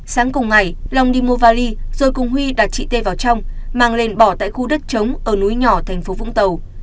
sáng cùng ngày long đi mua vali rồi cùng huy đặt chị t vào trong mang lên bỏ tại khu đất chống ở núi nhỏ thành phố vũng tàu